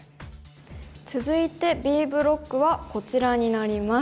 続いてＢブロックはこちらになります。